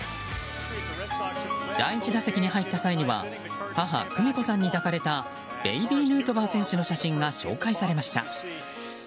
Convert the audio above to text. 第１打席に入った際には母・久美子さんに抱かれたベイビーヌートバー選手の写真が紹介されました。